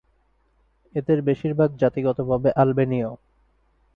এদের বেশিরভাগই জাতিগতভাবে আলবেনীয়।